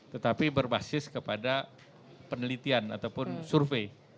tetapi berbasis kepada penelitian ataupun survei